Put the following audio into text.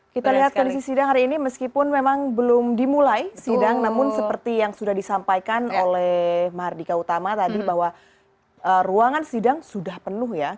kita lihat kondisi sidang hari ini meskipun memang belum dimulai sidang namun seperti yang sudah disampaikan oleh mardika utama tadi bahwa ruangan sidang sudah penuh ya